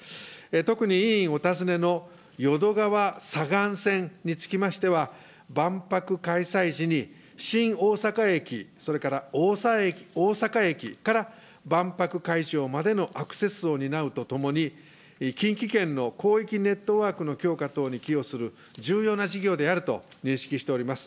特に委員お尋ねの淀川左岸線につきましては、万博開催時に、新大阪駅、それから大阪駅から万博会場までのアクセスを担うとともに、近畿圏の広域ネットワークの強化等に寄与する重要な事業であると認識しております。